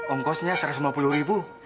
ongkosnya satu ratus lima puluh ribu